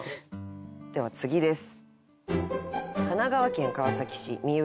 では次です。